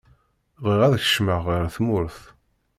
bɣiɣ ad kecmaɣ ɣer tmurt.